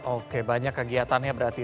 oke banyak kegiatannya berarti